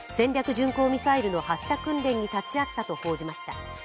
巡航ミサイルの発射訓練に立ち会ったと報じました。